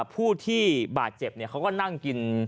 ผู้ที่บาดเจ็บเขาก็นั่งกิน